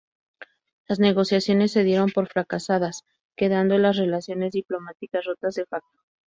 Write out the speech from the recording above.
Las negociaciones se dieron por fracasadas, quedando las relaciones diplomáticas rotas de facto.